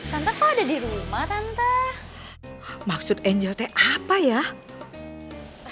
tante kok ada di rumah tante maksud angel teh apa ya ya iyalah di rumah emangnya aku mau datang